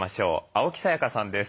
青木さやかさんです。